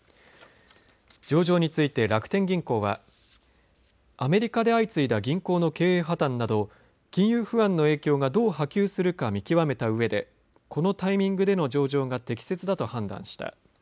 上場について楽天銀行はアメリカで相次いだ銀行の経営破綻など金融不安の影響がどう波及するか見極めたうえでこのタイミングでの上場が適切だと判断した。